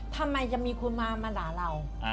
ทำไมจะมีคนมาด่าเรา